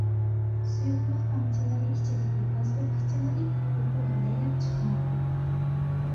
سۇيۇقلۇق تامچىلىرى ئىچىدىكى گاز كۆپۈكچىلىرى يۇقىرىغا لەيلەپ چىقمايدۇ.